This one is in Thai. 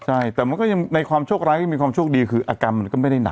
ใช่แต่มันก็ยังในความโชคร้ายก็มีความโชคดีคืออาการมันก็ไม่ได้หนัก